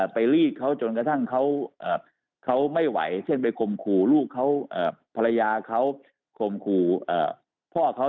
ไปรีดเขาจนกระทั่งเขาไม่ไหวเช่นไปข่มขู่ลูกเขาภรรยาเขาข่มขู่พ่อเขา